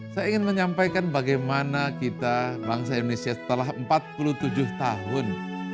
saya ingin menyampaikan bagaimana kita bangsa indonesia setelah empat puluh tujuh tahun